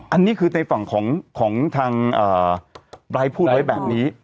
อันนี้คือในฝั่งของทางไบร์ทพูดไว้แบบนี้